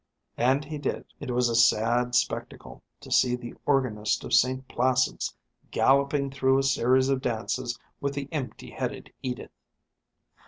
And he did. It was a sad spectacle to see the organist of St Placid's galloping through a series of dances with the empty headed Edith.